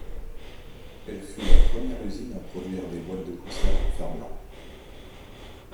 Elle fut la première usine à produire des boîtes de conserve en fer blanc.